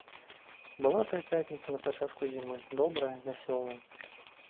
Была тая пятніца на пачатку зімы, добрая, вясёлая.